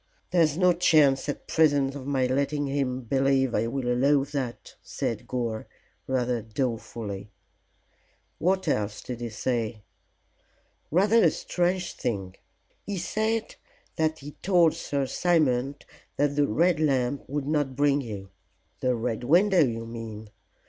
"There's no chance at present of my letting him believe I will allow that," said Gore, rather dolefully. "What else did he say?" "Rather a strange thing. He said that he told Sir Simon that the Red Lamp would not bring you." "The Red Window, you mean.